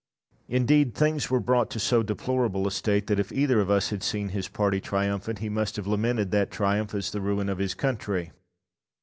Mr. Hampden. Indeed, things were brought to so deplorable a state, that if either of us had seen his party triumphant, he must have lamented that triumph as the ruin of his country.